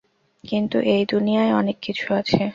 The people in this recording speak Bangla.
কিন্তু এই দুনিয়ায় অনেক কিছু আছে।